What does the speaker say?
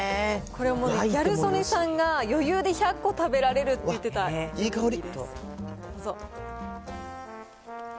これはギャル曽根さんが、余裕で１００個食べられるって言っいい香り。